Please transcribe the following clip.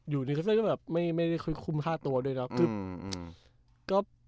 อยู่นี่ก็ไม่ได้คุ้มค่าตัวด้วยนะ